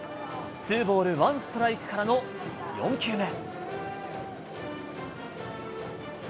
ツーボールワンストライクからの４球目。